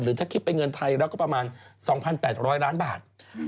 ถ้าคิดเป็นเงินไทยแล้วก็ประมาณ๒๘๐๐ล้านบาท